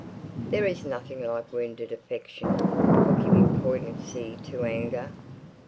There is nothing like wounded affection for giving poignancy to anger.